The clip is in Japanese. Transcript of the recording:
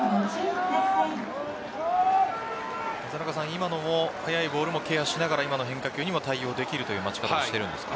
今のも速いボールもケアしながら今の変化球にも対応できるという待ち方をしているんですか？